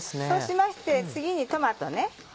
そうしまして次にトマトね。